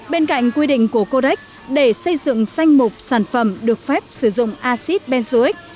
bên cạnh quy định của codec để xây dựng danh mục sản phẩm được phép sử dụng acid benzoic